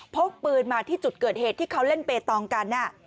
พกปืนมาที่จุดเกิดเหตุที่เขาเล่นเปตองกัน